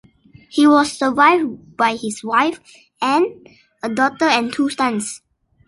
He was survived by his wife, Anne, a daughter and two sons.